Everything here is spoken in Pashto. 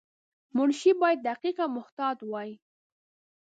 منشي باید دقیق او محتاط وای.